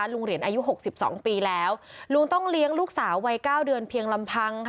ลุงเหรียญอายุ๖๒ปีแล้วลุงต้องเลี้ยงลูกสาววัยเก้าเดือนเพียงลำพังค่ะ